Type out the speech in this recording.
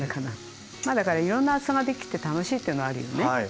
まあだからいろんな厚さができて楽しいっていうのはあるよね。